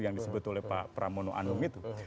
yang disebut oleh pak pramono anung itu